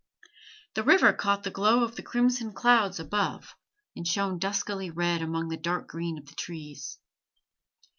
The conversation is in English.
The river caught the glow of the crimson clouds above, and shone duskily red amid the dark green of the trees.